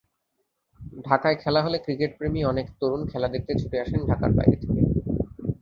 ঢাকায় খেলা হলে ক্রিকেটপ্রেমী অনেক তরুণ খেলা দেখতে ছুটে আসেন ঢাকার বাইরে থেকে।